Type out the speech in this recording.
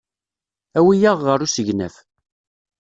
Awi-aɣ ɣer usegnaf.